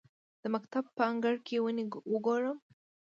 د مکتب په انګړ کې ونې وکرم؟